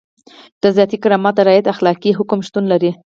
د ذاتي کرامت د رعایت اخلاقي حکم شتون لري.